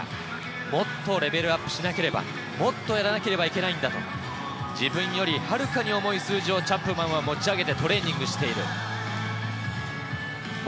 もっとレベルアップしなければ、もっとやらなければいけないんだと自分よりはるかに重い数字を持ち上げてチャップマンはトレーニングしている。